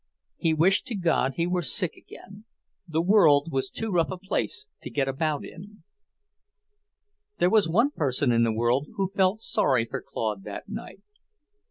He wished to God he were sick again; the world was too rough a place to get about in. There was one person in the world who felt sorry for Claude that night.